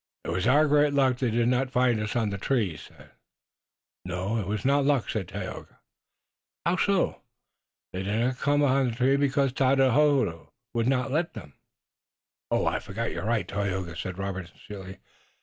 "It was our great luck that they did not find us on the tree," he said. "No, it was not luck," said Tayoga. "How so?" "They did not come upon the tree because Tododaho would not let them." "I forgot. You're right, Tayoga," said Robert sincerely.